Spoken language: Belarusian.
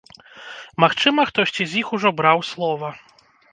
Магчыма, хтосьці з іх ужо браў слова?